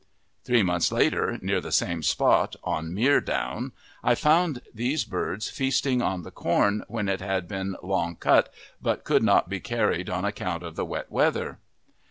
Three months later, near the same spot, on Mere Down, I found these birds feasting on the corn, when it had been long cut but could not be carried on account of the wet weather.